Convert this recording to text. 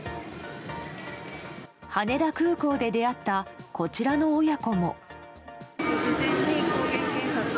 羽田空港で出会ったこちらの親子も。